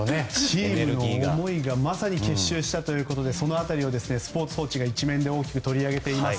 チームの思いがまさに結集したということでスポーツ報知が一面で大きく取り上げています。